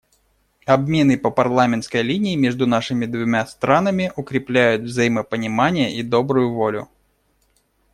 Обмены по парламентской линии между нашими двумя странами укрепляют взаимопонимание и добрую волю.